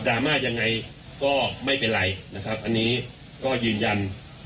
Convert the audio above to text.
มายังไงก็ไม่เป็นไรนะครับอันนี้ก็ยืนยัน